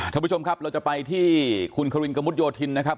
ท่านผู้ชมครับเราจะไปที่คุณครินกระมุดโยธินนะครับ